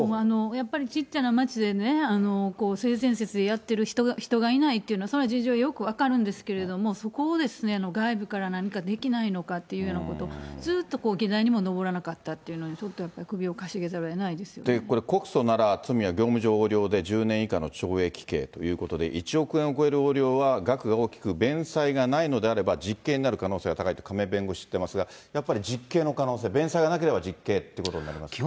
やっぱり、小っちゃな町で性善説でやってる、人がいないっていうのは、それは事情、よく分かるんですけれども、そこを外部から何かできないのかっていうようなこと、ずっとこう、議題にも上らなかったっていうのはちょっと首をかしげざるをえなこれ、告訴なら罪は業務上横領で１０年以下の懲役刑ということで、１億円を超える横領は額が大きく、弁済がないのであれば実刑になる可能性が高いと、亀井弁護士、言っていますが、やっぱり実刑の可能性、弁済がなければ実刑ということになりますか？